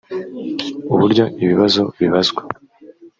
uburyo ibibazo bibazwa